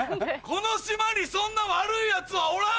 この島にそんな悪いヤツはおらん！